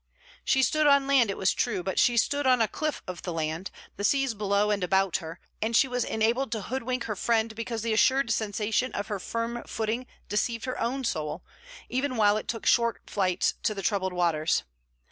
She stood on land, it was true, but she stood on a cliff of the land, the seas below and about her; and she was enabled to hoodwink her friend because the assured sensation of her firm footing deceived her own soul, even while it took short flights to the troubled waters.